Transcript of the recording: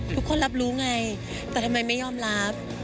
ทุกคนรับรู้ไงแต่ทำไมไม่ยอมรับ